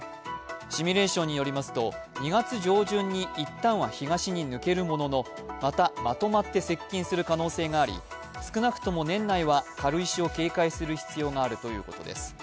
シミュレーションによりますと２月上旬には一旦は外れるもののまたまとまって接近する可能性があり少なくとも年内は軽石を警戒する必要があるということです。